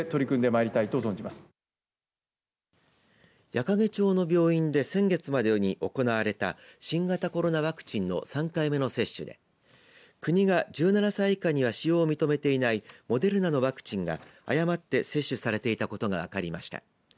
矢掛町の病院で先月までに行われた新型コロナワクチンの３回目の接種で国が１７歳以下には使用を認めていないモデルナのワクチンが誤って接種されていたことが分かりました。